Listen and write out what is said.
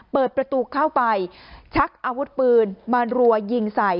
เปิดประตูเข้าไปชักอาวุธปืนมารัวยิงใส่